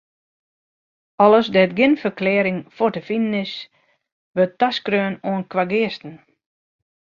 Alles dêr't gjin ferklearring foar te finen is, wurdt taskreaun oan kweageasten.